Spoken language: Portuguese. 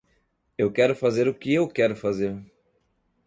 Eu quero fazer o que eu quero fazer.